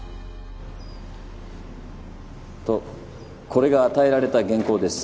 とこれが与えられた原稿です。